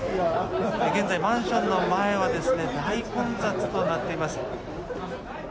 現在、マンションの前は大混雑となっています。